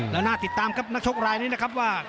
แล้วน่าติดตามครับนักชกรายนี้นะครับว่า